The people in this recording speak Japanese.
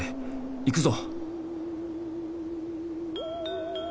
行くぞ！